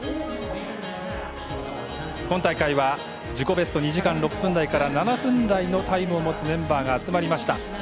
今大会は自己ベスト２時間６分台から７分台のタイムを持つメンバーが集まりました。